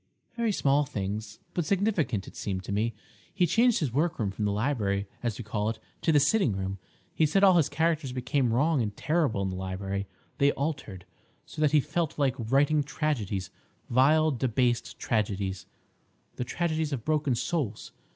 "Very small things, but significant it seemed to me. He changed his workroom from the library, as we call it, to the sitting room. He said all his characters became wrong and terrible in the library; they altered, so that he felt like writing tragedies—vile, debased tragedies, the tragedies of broken souls.